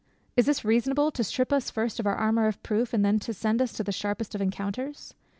Is this reasonable, to strip us first of our armour of proof, and then to send us to the sharpest of encounters?